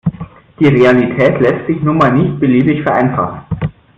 Die Realität lässt sich nun mal nicht beliebig vereinfachen.